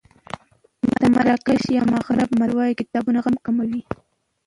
د مراکش یا مغرب متل وایي کتابونه غم کموي.